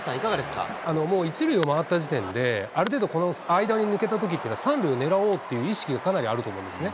もう１塁を回った時点で、ある程度この間に抜けたときってのは、３塁を狙おうという意識がかなりあると思うんですね。